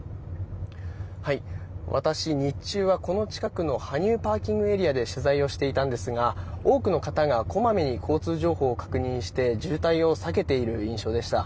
私、日中はこの近くの羽生ＰＡで取材をしていたんですが多くの方が小まめに交通情報を確認して渋滞を避けている印象でした。